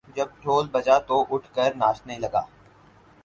جب ڈھول بجا تو اٹھ کر ناچنے لگا